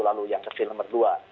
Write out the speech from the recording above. lalu yang kecil nomor dua